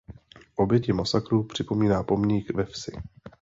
Oběti masakru připomíná pomník ve vsi.